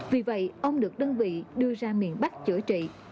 vì vậy ông được đơn vị đưa ra miền bắc chữa trị